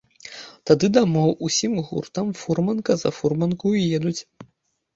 Тады дамоў усім гуртам фурманка за фурманкаю едуць.